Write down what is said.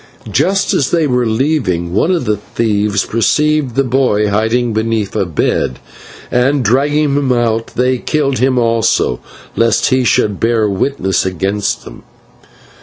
Just as they were leaving, one of the thieves perceived the boy hiding beneath a bed, and, dragging him out, they killed him also, lest he should bear witness against them.